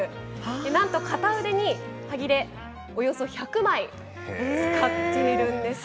なんと片腕にはぎれおよそ１００枚使っているんです。